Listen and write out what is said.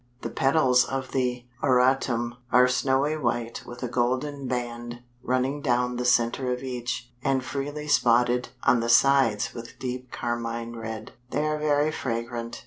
The petals of the Auratum are snowy white with a golden band running down the center of each, and freely spotted on the sides with deep carmine red. They are very fragrant.